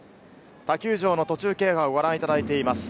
他球場の途中経過をご覧いただいています。